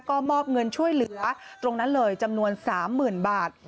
ก็มอบเงินช่วยเหลือตรงนั้นเลยจำนวน๓๐๐๐บาท